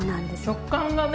食感がね。